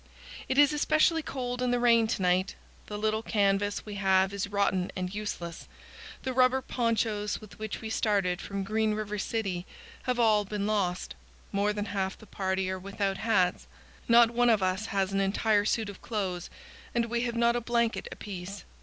It is especially cold in the rain to night. The little canvas we have is rotten and useless; the rubber ponchos with which we started from Green River City have all been lost; more than half the party are without hats, not one of us has an entire suit of clothes, and we have not a blanket apiece.